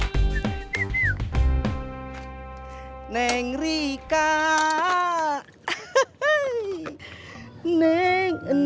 hei tukang ojek